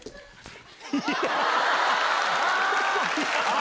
あ！